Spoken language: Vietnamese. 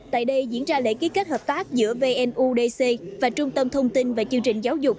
tại đây diễn ra lễ ký kết hợp tác giữa vnudc và trung tâm thông tin và chương trình giáo dục